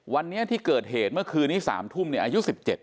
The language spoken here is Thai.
วันนี้ที่เกิดเหตุเมื่อคืนนี้๓ทุ่มอายุ๑๗